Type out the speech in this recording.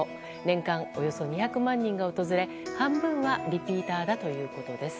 年間およそ２００万人が訪れ半分はリピーターだということです。